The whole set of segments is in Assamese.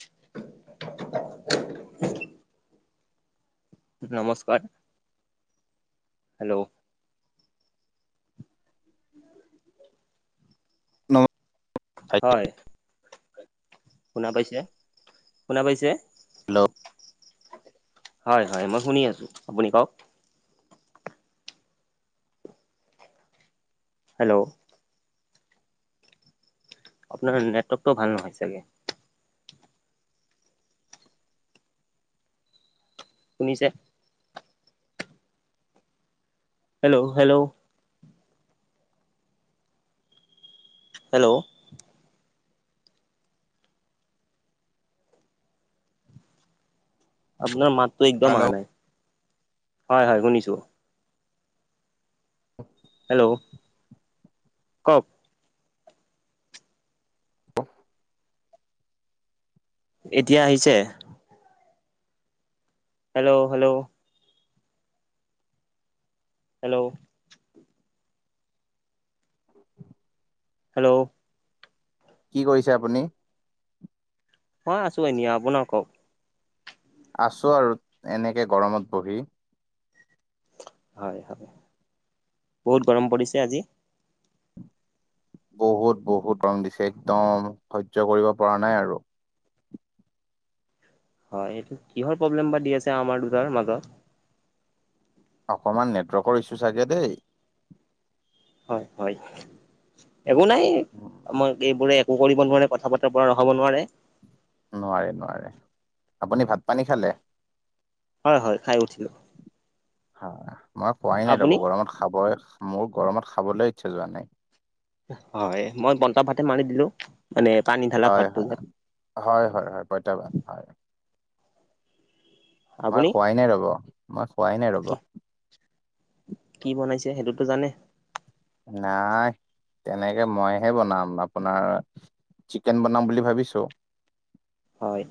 [unintelligible] নমস্কাৰ হেল্ল'। নম হয়। শুনা পাইছে? শুনা পাইছে? হেল্ল'। হয় হয় মই শুনি আছো আপুনি কওঁক। হেল্ল' আপোনাৰ নেটৰ্কটোও ভাল নহয় চাগে? শুনিছে হেল্ল' হেল্ল' হেল্ল' আপোনাৰ মাতটো একদম অহা নাই। হয় হয় শুনিছো হেল্ল' কওঁক এতিয়া আহিছে হেল্ল' হেল্ল' হেল্ল' [inaudible] হেল্ল' কি কৰিছে আপুনি? মই আছো এনে। আপোনাৰ কওঁক, আছোঁ আৰু এনেকে গৰমত বহি। হয় হয় বহুত গৰম পৰিছে আজি। বহুত বহুত ৰং দিছে একদম সহ্য কৰিব পৰা নাই আৰু। হয় এইটো কিহৰ প্ৰব্লেম বা দি আছে আমাৰ দুটাৰ মাজত, অকণমান নেটৱৰ্কৰ ইছু চাগে দেই। হয় হয় একো নাই আমাৰ এইবোৰে ক কৰিব নোৱাৰে কথা বতাৰ পৰা ৰখাব নোৱাৰে। নোৱাৰে নোৱাৰে। আপুনি ভাত পানী খালে? হয় হয় খাই উঠিলো। হয় মই খুৱাই নাই আপুনি ৰব গৰমত খাব মোৰ গৰমত খাবলৈ ইচ্ছা যোৱা নাই। হয় মই পন্তা ভাতে মাৰি দিলো। মানে পানী ঢালা হয় ভাতটো যে হয় হয় হয় হয় প‌ইতাভাত হয় মই আপুনি খোৱাই নাই ৰ'ব মই খোৱাই নাই ৰ'ব। কি কি বনাইছে সেইটোতো জানে নাই তেনেকে মইহে বনাম আপোনাৰ চিকেন বনাম বুলি ভাবিছো হয়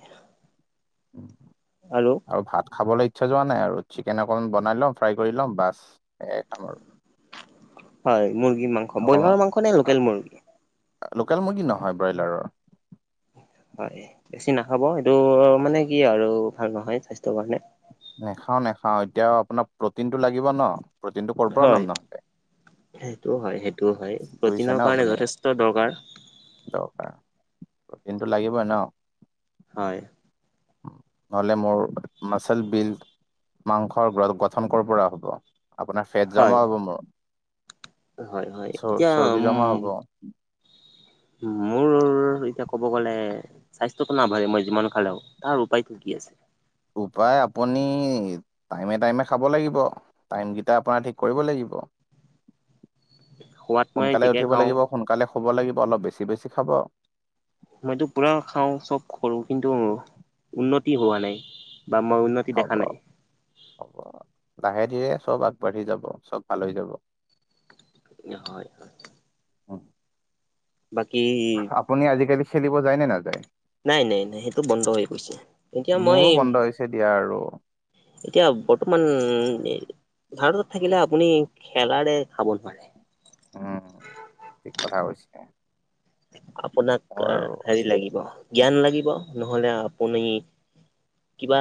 আৰু ভাত খাবলৈ ইচ্ছা যোৱা নাই আৰু চিকেন অকণমান বনাই লওঁ ফ্ৰাই কৰি লওঁ বাছ সেয়াই খাম আৰু হয় মুৰ্গী মাংস অকমান ব্ৰইলাৰৰ মাংস নে লোকেল মুৰ্গী? লোকেল মুৰ্গী নহয় ব্ৰইলাৰৰ। হয় বেছি নাখাব এইটো মানে কি আৰু ভাল নহয় স্বাস্থ্যৰ কাৰণে। নেখাওঁ নেখাওঁ এতিয়াও আপোনাৰ প্ৰটিন টো লাগিব ন, প্ৰটিনটো ক'ৰ পৰা হয় ল'ম নহলে সেইটো হয় সেইটো হয় বুজিছে ন প্ৰটিনৰ কাৰণে আপুনি যথেষ্ট দৰকাৰ। দৰকাৰ প্ৰটিনটো লাগিবই ন। হয় নহ'লে মোৰ মাচেল বিল্ড মাংস ণ্ডৰা গঠন কৰিব পৰা হ'ব, আপোনাৰ ফেট হয় জমা হ'ব মোৰ। হয় হয় এতিয়া চৰ্বি উম জমা হ'ব মোৰ এতিয়া কব গলে স্বাস্থ্যটো নাভাবে মই যিমান খালেও। তাৰ উপায়তটো কি আছে? উপায় আপুনি টাইমে টাইমে খাব লাগিব। টাইম কেইটা আপোনাৰ ঠিক কৰিব লাগিব। ক খোৱাত মই সোনকালে ঠিকে উঠিব খাওঁ লাগিব সোনকালে। শুৱ লাগিব অলপ বেছি বেছি খাব। মইতো পুৰা খাওঁ চব কৰো কিন্তু উন্নতি হোৱা নাই। বা মই উন্নতি হ'ব দেখা নাই। এ চব আগবাঢ়ি যাব চব ভাল হৈ যাব হয় হয় অ আপুনি আজিকালি খেলিব যায় নে নাযায় নাই নাই নাই সেইটো বন্ধ হৈ গৈছে এতিয়া মই মোৰো বন্ধ হৈছে দিয়া আৰু এতিয়া বৰ্তমান উম ভাৰতত থাকিলে আপুনি খেলাৰে খাব নোৱাৰে উম ঠিক কথা কৈছে আপোনাক মোৰ আৰু হেৰি লাগিব জ্ঞান লাগিব ব নহলে আপুনি কিবা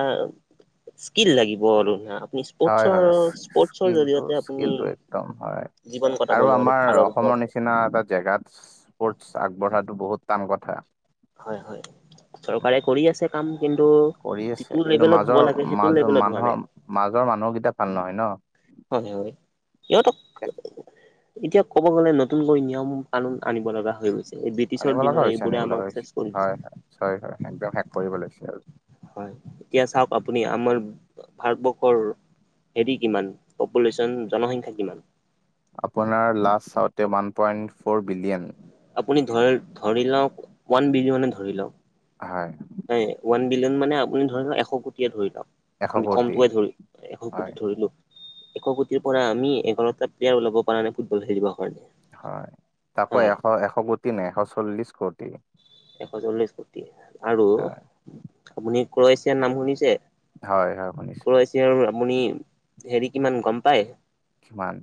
স্কিল লাগিব আৰু ন হয় হয় স্কিলটো আপুনি স্কিলটো একদম হয় জীৱন কটাব আৰু নোৱাৰে আমাৰ ভাৰতবৰ্ষ অসমৰ নিচিনা এটা জেগাত আগবঢ়াতটো বহুত টান কথা হয় হয় চৰকাৰে কৰি আছে কাম কিন্তু কৰি যিটো আছে কিন্তু লেভেলত হ'ব মাজৰ লাগে সেইটো মাজ লেভেলত হোৱা নাই। মানুহৰ মাজৰ মানুহকেইটা ভাল নহয় ন হয় হয় ইহঁতক এতিয়া ক'ব গ'লে নতুনকৈ নিয়ম কানুন আনিব লগা হৈ গৈছে এই ব্ৰিটিছৰ আনিব লগা দিনৰ হৈছে এইবোৰে আনিব আমাক লগা হৈছে চেচ কৰি দিছে। হয় হয় হয় হয় একদম শেষ কৰিব লৈছে আৰু হয় এতিয়া চাওক আপুনি আমাৰ ভাৰতবৰ্ষৰ হেৰি কিমান পপুলেশ্যন জনসংখ্যা কিমান আপোনাৰ লাষ্ট চাওঁতে ওৱান পইণ্ট ফ'ৰ বিলিয়ন আপুনি ধৰি লওক ওৱান বিলিয়নে ধৰি লওঁক হয় হয় ওৱান বিলিয়ন মানে আপুনি ধৰি লক এশ কোটিয়ে ধৰি এশ লওক আমি কোটি কমটোৱাই ধৰি এশ হয় কোটিত ধৰিলো এশ কোটিৰ পৰা আমি এঘাৰটা প্লেয়াৰ ওলাব পৰা নাই ফুটবল খেলিব হয় তাকো এশ এশ কোটি নে এশ চল্লিশ কোটি এশ চল্লিশ কোটি আৰু হয় আপুনি ক্ৰয়েছিয়াৰ নাম শুনিছে হয় হয় শুনিছো ক্ৰয় আৰু আপুনি হেৰি কিমান গম পাই কিমান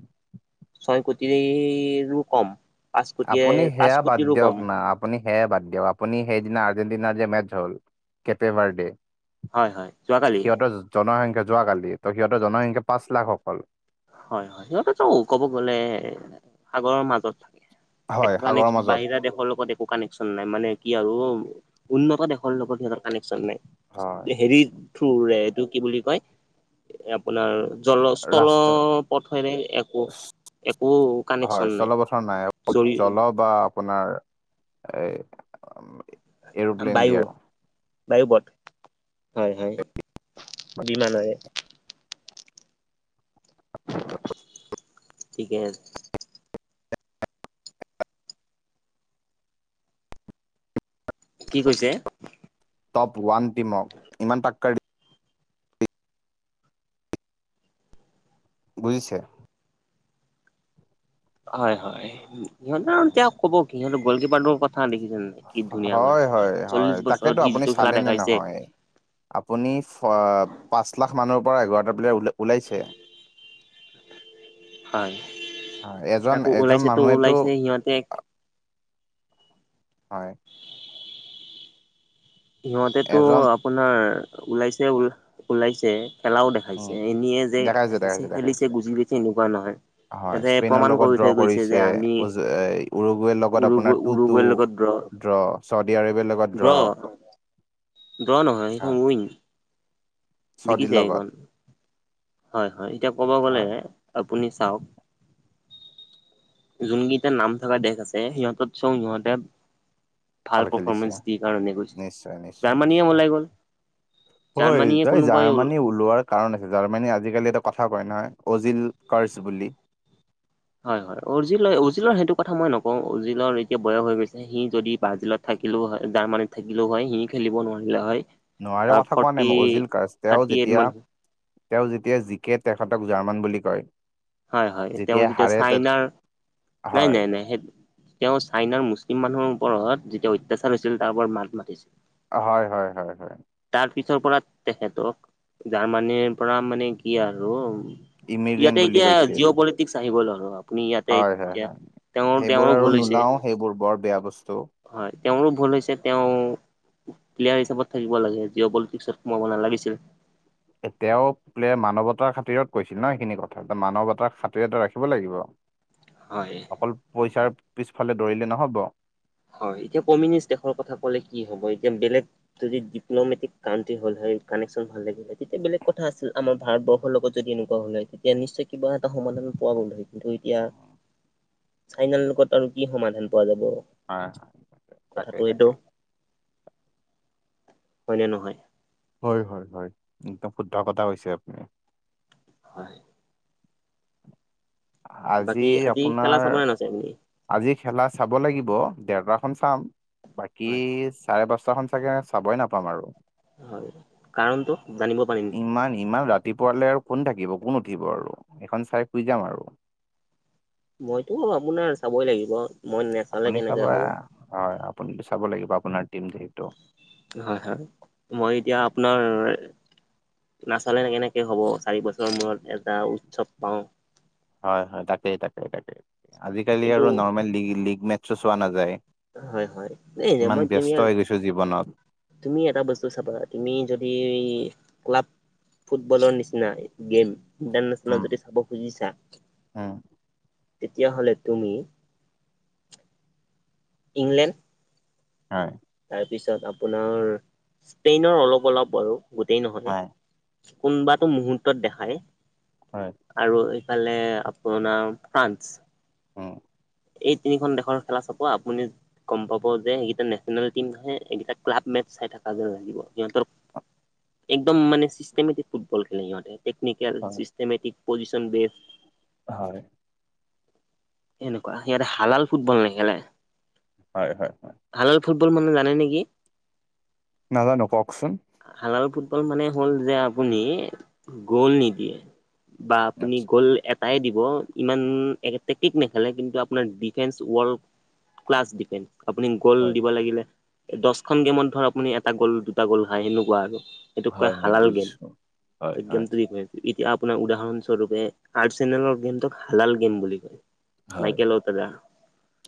কম পাঁচ কোটিয়ে আপুনি পাঁচ সেয়া বাদ কোটিৰো দিয়ক কম না আপুনি সেয়া বাদ দিয়ক আপুনি সেইদিনা আৰ্জেণ্টিনাৰ যে মেচ হ'ল কেপেভাৰডে হয় হয় যোৱাকালি সিহঁতৰ জনসংখ্যা যোৱাকালি ত সিহঁতৰ জনসংখ্যা পাঁচ লাখ অকল হয় হয় সিহঁতেত কব গ'লে সাগৰৰ মাজত হয় একো সাগৰৰ কানেকন মাজত বাহিৰা দেশৰ লগত একো কানেকশ্যন নাই মানে কি আৰু উন্নত দেশৰ লগৰ সিহঁতৰ কানেকচন নাই হয় হেৰি থ্ৰুৰে এইটো কি বুলি কয় আপোনাৰ জল সল ৰাস্তা পথ হয় ন একো হয় কানেকশ্যন নাই। চলপথাৰ নাই জৰি জল বা আপোনাৰ এৰোপ্লেন দিয়াৰ বায়ুবট হয় হয় বিমানৰে ঠিকে কি কৈছে টপ ওৱান টিমক ইমান টাক্কাৰ বুজিছে হয় হয় সিহঁতে তেওঁক ক'ব কি সিহঁতৰ গল কিপাৰ ক কথা দেখিছে কি ধুনীয়া গ'ল হয় সাৰ হয় হয় চল্লিশ বছৰত তাকেতো সি আপুনি যিটো খেলা চালে নে দেখাইছে নহয় আপুনি পাঁচ লাখ মানৰ পৰা এগাৰটা প্লেয়াৰ ওলাইছে হয় এজন তাকো এজন ওলাইছেতো মানুহেতো ওলাইছে সিহঁতে হয় সিহঁতেটো এজন আপোনাৰ ওলাইছে ওল ওলাইছে খেলাও উম দেখাইছে এনে যে দেখাইছে দেখাইছে আহিছে দেখাইছে খেলিছে গুজি গৈছে এনেকুৱা নহয় হয় সিহঁতে স্পেইনৰ প্ৰমাণ লগত কৰি ড্ৰ থৈ গৈছে কৰিছে যে আমি উৰগুৱেৰ লগত উৰুগৈ আপোনাৰ টু টু উৰুগুৱেৰ লগত ড্ৰ [unintelligible] ড্ৰ চৌদি আৰবিয়াৰ লগত ড্ৰ [unintelligible] ড্ৰ নহয় সেইখন হয় উইং চৌদিৰ জিকিছে লগত এইখন হয় হয় এতিয়া কব গ'লে হয় [unintelligible] আপুনি চাওক যোনকেইটা নাম থকা দেশ আছে সিহঁতত চও সিহঁতে ভাল পাৰফৰৰ্মেন্ঞ্চ দি কাৰণে কৈছে নিশ্চয় নিশ্চয় নিশ্চয় হয় জাৰ্মানীয়ে তাই কোনোবাই জাৰ্মানী ওলোৱাৰ কাৰণ আছে জাৰ্মানী আজিকালি এটা কথা কয় নহয় অজিল কাৰছ বুলি হয় হয় উৰ্জিলয় অৰ্জিলয় সেইটো কথা মই নক অ উজিলৰ এতিয়া বয়স হৈ গৈছে সি যদি ব্ৰাজিলত থাকিলেও হয় জাৰ্মানীত থাকিলেও হয় সি খেলিব নোৱাৰিলে হয় নোৱাৰে তাৰ কথা কোৱা ফৰ্টি নাই অজিল ক তেওঁ থাৰ্টি এইট যেতিয়া মান তেওঁ যেতিয়া জিকে তেখঁতক জাৰ্মান বুলি কয় হয় হয় তেওঁ যেতিয়া হাৰে তে চাইনাৰ নাই হয় নাই নাই সেই তেওঁ চাইনাৰ মুছলিম মানুহৰ ওপৰত যেতিয়া অত্যাচাৰ হৈছিল তাৰ ওপৰত মাত মাতিছিল হয় হয় হয় হয় তাৰ পিছৰ পৰা তেখেতক জাৰ্মানীৰ পৰা মানে কি আৰু ইয়াতে ইমিগ্ৰেণ্ট বুলি এতিয়া কৈছিল জিঅ' পলিটিক্স আহি গ'ল আৰু আপুনি ইয়াতে হয় হয় এতিয়া হয় তেওঁৰ সেইবোৰ তেওঁৰো আৰু ভুল হৈছে নোলাও সেইবোৰ বৰ বেয়া বস্তু হয় তেওঁৰো ভুল হৈছে তেওঁ প্লেয়াৰ হিচাপত থাকিব লাগে জিঅ' পলিটিক্সত সোমাব নালাগিছিল এতিয়াও পলে মানৱতাৰ খাতিৰত কৈছিল ন সেইখিনি কথা এ মানৱতাৰ খাতিৰটে ৰাখিব লাগিব [unintelligible] হয় অকল পইচাৰ পিছফালে দৌৰিলে নহ'ব হয় এতিয়া কমিউনিষ্ট দেশৰ কথা কলে কি হ'ব এতিয়া বেলেগ যদি ডিপ্ল'মেটিক কানট্ৰি হ'ল [unintelligible] কানেকন ভাল লাগে তেতিয়া বেলেগ কথা আছিল আমাৰ ভাৰতবৰ্ষৰ লগত যদি এনেকুৱা হলে তেতিয়া নিশ্চয় কিবা এটা সময়। সমাধান পোৱা গ'ল হয় কিন্তু এতিয়া চাইনাৰ লগত আৰু কি সমাধান পোৱা যাব। হ কথাটো তাকেই এইটো তাকেই। হয়নে নহয়। হয় হয় হয় একদম শুদ্ধ কথা কৈছে আপুনি। হয় আজি বাকী খেলা আপোনাৰ? চাবনে নাচাই আপুনি আজি খেলা চাব লাগিব দেৰটা খ চাম বাকী হয় চাৰে পাঁচ। চ সচ চাবই নাপাম আৰু। হয় কাৰণটো জানিব পাৰিম [unintelligible] ইমান ইমান ৰাতিপুৱালৈ আৰু। কোন থাকিব কোন উঠিব আৰু এইখন চাই শুই যাম আৰু। মইতো আপোনাৰ চাবই লাগিব? মই নেচালে আপুনি চাব কেনেকে হয় হ'ব আপুনটো চাব লাগিব আপোনাৰ টিম যিহেতু। হয় হয় মই এতিয়া আপোনাৰ। নাচলে এনে কেনেকে হ'ব চাৰি বছৰৰ মূৰত এটা উৎসৱ পাওঁ। হয়, হয়, তাকেই তাকেই তাকেই। আজিকালি কিন্তু আৰু নৰ্মেল লীগ মেচো চোৱা নাযায়। হয় হয় ন নাই ইমান মই তুমি ব্যস্ত আৰু। হৈ গৈছো জীৱনত। তুমি এটা বস্তু চাবা তুমি যদি। ক্লাব ফুটবলৰ নিচিনা গেম। ইণ্টাৰনেশ্যনেল উম, যদি চাব খুজিছা। উম, তেতিয়াহলে তুমি ইংলেণ্ড। হয় পিছত আপোনাৰ স্পেইনৰ অলপ অলপ আৰু গোতেই হয়, নহয়। কোনোবাতটো মুহুৰ্তত দেখায় হয়, আৰু। সিফালে আপ ন ফ্ৰানস। [unintelligible] অ এই তিনিখন দেশৰ খেলা চাপ আপুনি গম পাব যে সেইকেইটা নে। টম নে এইকেইটা ক্লাব মেট চাই থকা যে লাগিব সিহঁতৰ। একদম মানে চিষ্টেমেটিক ফুটবল খেলে ইহতে। পিকনিকেল হয়, চিষ্টেমেটিক পজিশন বে। হয় এনেকুৱা ইতে হালাল ফুটবল নেখেলে। হয় হয় হয়। হালাল ফুটবল মানে জানে নেকি। নাজানো কওকচোন। হালাল ফুটবল মানে হ'ল যে আপুনি গ'ল নিদিয়ে বা আপুনি আচ্ছা গ'ল। তাই দিব ইমান একে। টেকিক নেখে কিন্তু আপোনাৰ ডিফেন্স ৱৰ্ল্ড ক্লাছ ডিফেন্স। আপুনি গ'ল হয় দিব লাগিলে দহখন গেমত ধৰ আপুনি এটা গ'ল দুটা গ'ল খায় সেনেকুৱা আৰু। এইটো কয় হয় হয় হালাল গেম বুজিছো। ত হয় হয় গেমটো দি। এতিয়া আপোনাৰ উদাহৰণস্বৰূপে আৰচনএলৰ গেমটোক হালাল গেম বুলি কয়। [unintelligible] হয় মাইকেল অতাদা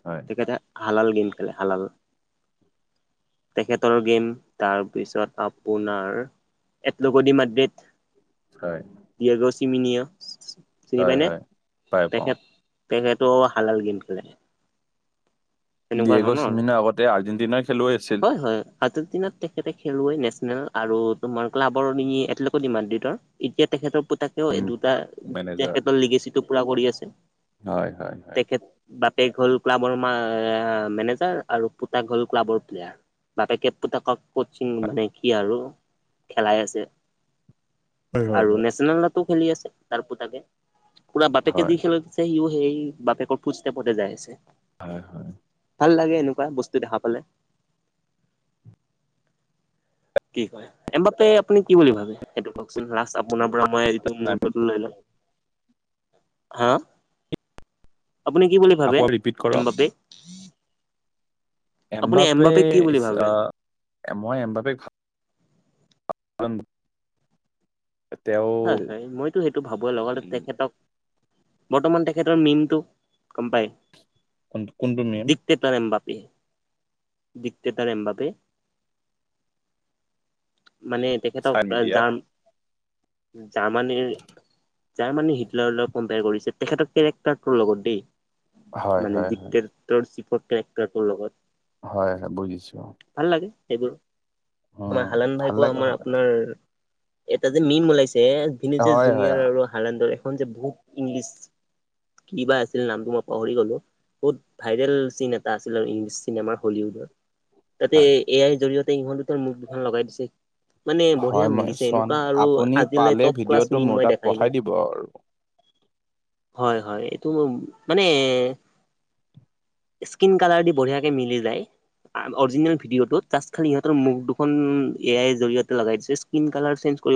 হয় তে কতে হালাল গেম খালে হালাল। তেখেতৰ গেম তাৰ পিছত আপোনাৰ? এল গ দিম্ৰত। হয় কিমিনিয়। হয় হয় তাই পাওঁ। তেখেতো হালাল গেম খেলে। দ তেনেকুৱা এগ ধৰণৰ চিমিনা আগতে আৰ্জেণ্টিনাৰ খেলুৱৈ আ। হয় হয় আজিৰ দিনত তেখেতে খেলুৱৈ নেচনেল আৰু তোমাৰ ক্লাবৰ নি একেলগতে ডিমাণ্ড দিয়ে টো। তেখেতৰ পোতাকেও দুটা মেনেজাৰ তেখেতৰ লিগেচিটো পুৰা কৰি আছে। হয় হয়। তেখেত বাপেক হ'ল ক্লাবৰ ম মেনেজাৰ আৰু পুতাক হ'ল ক্লাবৰ য় বাপেকে পুতাক কচিং মানে কি আৰু খেলাই আছে। হয় হয় আৰু হয় নেচনেলাতো খেলি আছে তাৰ পুতাকে পুৰা বাপেকে যি হয় খেল আছে সিও সেই বাপেকৰ ফুজ টেপতে যাই আছে হয় হয় ভাল লাগে এনেকুৱা বস্তু দেখা পালে কি কয় এমবাপ আপুনি কি বুলি ভাবে [unintelligible] সেইটো কওকচোন লাষ্ট আপোনাৰ পৰা মই এইটো মুহৰ্তত লৈ লম হা আপুনি কি বুলি ভাবে আকৌ ৰিপিট কৰক এম বাপেই এমবাপে কি বুলি ভাবে আহ মই এমবাপে অম হয় হয় মইতো সেইটো ভাবোৱে লগতে উম তেখেতক বৰ্তমান তেখেতৰ মীমটো গম পায় কোনটো মিম দিগটটাৰম এম বাপে [unintelligible] মানে তেখেতক চাই মিডিয়াত জাৰ জাৰ্মানীৰ জাৰ্মানী হিটলাৰ লৈ কম্পেয়াৰ কৰিছে তেখেতৰ কেৰেক্টাৰটোৰ লগত দেই হয় মানে হয় দিগ হয় কেৰ চিপ কেৰেক্টাৰটোৰ লগত হয় হয় বুজিছো ভাল লাগে সেইবোৰ উম আমাৰ হালান ভাল ভাইকোৱা লাগে আমাৰ ভাল লাগে আপোনাৰ এটা যে মীন মোল যে ভ হয় হয় জুনিয়ৰ আৰু হলেণ্ডৰ এখন যে বহুত ইংলিছ কি বা আছিল নামটো মই পাহৰি গলো। বহুত ভাইৰেল চিন এটা আছিল আৰু ইংলিছ চিনেমাৰ হলিউডৰ। তাতে হয়। এয়ইৰ জৰিয়তে ইহত দু মুখ দুখনান লগাই দিছে মানে বঢ়িয়া হয় মই মিলিছে চোৱা এনেকুৱা নাই আৰু আপুনি পালে টপ ক্লাছ ভিডিঅ'টো মিম মোৰ মই তাত দেখাই পঠাই নাই। দিব হয় হয় এইটো মানে। স্কিন কালাৰ দি বঢ়িয়াকে মিলি যায়। অজিনেল ভিদিও টোত সিহঁতৰ মুখ দুখন এ আইৰ জৰিয়তে লগাই দিছে স্কিন কালৰ